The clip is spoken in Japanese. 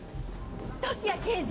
時矢刑事！